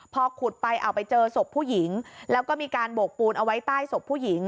พอขุดไปเอาไปเจอศพผู้หญิงแล้วก็มีการโบกปูนเอาไว้ใต้ศพผู้หญิง